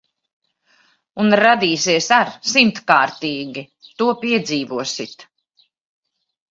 Un radīsies ar simtkārtīgi. To piedzīvosit.